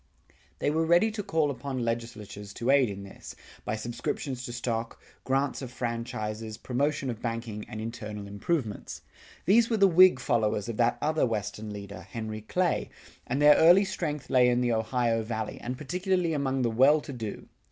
They were ready to call upon legislatures to aid in this, by subscriptions to stock, grants of franchises, promotion of banking and internal improvements. These were the Whig followers of that other Western leader, Henry Clay, and their early strength lay in the Ohio Valley, and particularly among the well to do.